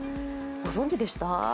ご存じでした？